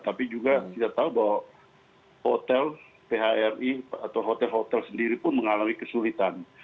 tapi juga kita tahu bahwa hotel phri atau hotel hotel sendiri pun mengalami kesulitan